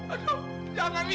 aduh jangan mi